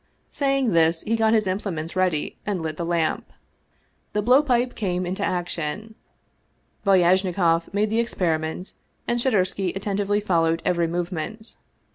Saying this, he got his implements ready and lit the lamp. The blow pipe came into action. Valyajnikoff made the experiment, and Shadursky attentively followed every movement.